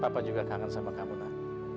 papa juga kangen sama kamu nak